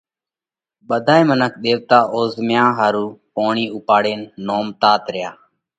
ٻڌائي منک ۮيوَتا اوزهميا ۿارُو پوڻِي اُوپاڙينَ نومتات ريا۔